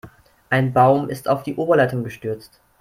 Ein Baum ist auf die Oberleitung gestürzt.